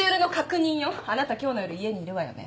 あなた今日の夜家にいるわよね？